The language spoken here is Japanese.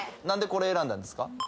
何でこれ選んだんですか？